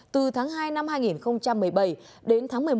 từ tháng hai năm hai nghìn một mươi bảy đến tháng một mươi một